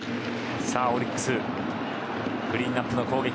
オリックスクリーンアップの攻撃。